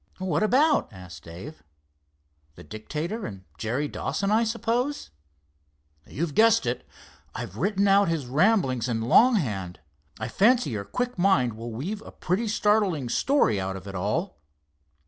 "What about?" asked Dave—"the Dictator and Jerry Dawson, I suppose?" "You've guessed it. I've written out his ramblings in long hand. I fancy your quick mind will weave a pretty startling story out of it all."